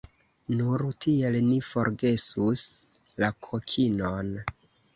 Nur tiel ni forgesus la kokinon.